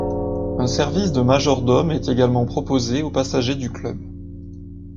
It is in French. Un service de majordome est également proposé aux passagers du club.